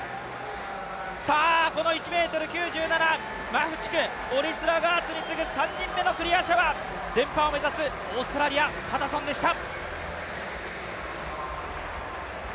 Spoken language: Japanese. さあ、この１ｍ９７、マフチク、オリスラガースに次ぐ３人目のクリア者は、連覇を目指すオーストラリア、パタソンでした。